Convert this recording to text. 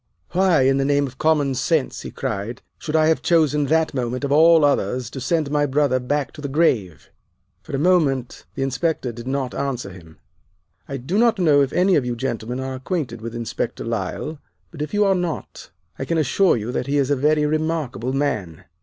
"'Why in the name of common sense,' he cried, 'should I have chosen that moment of all others to send my brother back to the grave!' For a moment the Inspector did not answer him. I do not know if any of you gentlemen are acquainted with Inspector Lyle, but if you are not, I can assure you that he is a very remarkable man.